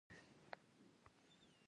هغوی د ژمنې په بڼه باران سره ښکاره هم کړه.